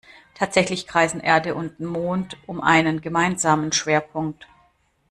Tatsächlich kreisen Erde und Mond um einen gemeinsamen Schwerpunkt.